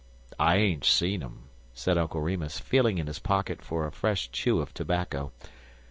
"I ain't seed um," said Uncle Remus, feeling in his pocket for a fresh chew of tobacco.